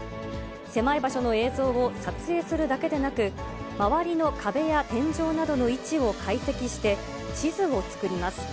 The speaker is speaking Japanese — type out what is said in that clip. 狭い場所の映像を撮影するだけでなく、周りの壁や天井などの位置を解析して、地図を作ります。